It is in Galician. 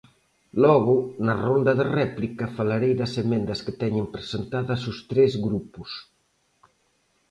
Logo, na rolda de réplica, falarei das emendas que teñen presentadas os tres grupos.